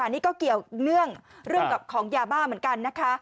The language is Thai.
นี่ก็เกี่ยวเรื่องกับของยาบ้าเหมือนกันนะคะ